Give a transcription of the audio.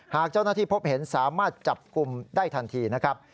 หากเจ้าหน้าที่พบเห็นสามารถจับกลุ่มได้ทันทีนะครับ